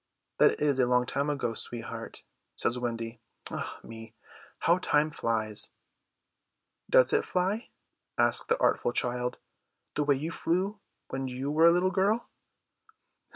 "That is a long time ago, sweetheart," says Wendy. "Ah me, how time flies!" "Does it fly," asks the artful child, "the way you flew when you were a little girl?"